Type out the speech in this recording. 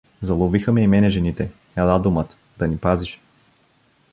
Заловиха ме и мене жените, ела, думат, да ни пазиш.